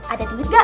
ada tinggi enggak